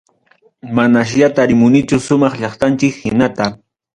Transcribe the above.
Manasya tarimunichu sumaq llaqtanchik hinata.